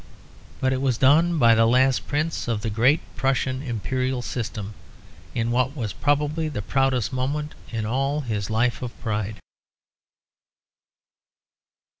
But it was done by the last prince of the great Prussian imperial system, in what was probably the proudest moment in all his life of pride.